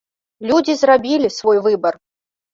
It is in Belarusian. Людзі зрабілі свой выбар!